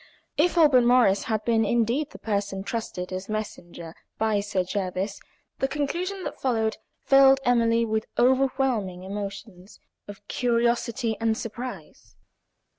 If Alban Morris had been indeed the person trusted as messenger by Sir Jervis, the conclusion that followed filled Emily with overpowering emotions of curiosity and surprise.